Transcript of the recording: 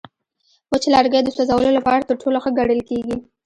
وچ لرګی د سوځولو لپاره تر ټولو ښه ګڼل کېږي.